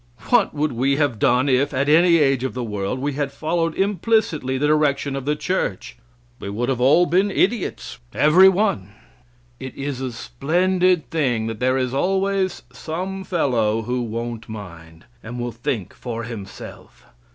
What would we have done if, at any age of the world, we had followed implicitly the direction of the church? We would have been all idiots, every one. It is a splendid thing that there is always some fellow who won't mind, and will think for himself.